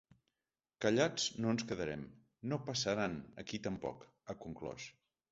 Callats no ens quedarem, ‘no passaran’ aquí tampoc’, ha conclòs.